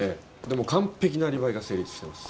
でも完璧なアリバイが成立してます。